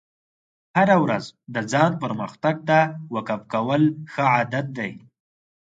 هره ورځ د ځان پرمختګ ته وقف کول ښه عادت دی.